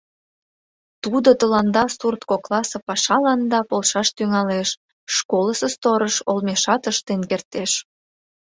Тудо тыланда сурт кокласе пашаланда полшаш тӱҥалеш, школысо сторож олмешат ыштен кертеш...